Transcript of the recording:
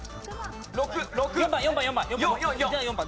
４番４番４番。